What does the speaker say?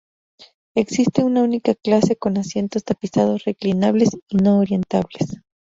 Existe una única clase, con asientos tapizados, reclinables y no orientables.